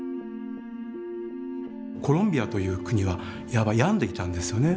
コロンビアという国はいわば病んでいたんですよね。